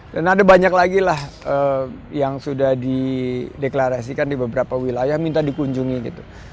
dan ada banyak lagi lah yang sudah dideklarasikan di beberapa wilayah minta dikunjungi gitu